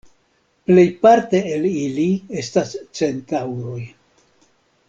Plejparte el ili estas Centaŭroj.